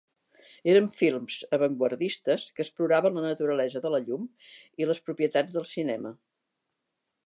Eren films avantguardistes que exploraven la naturalesa de la llum i les propietats del cinema.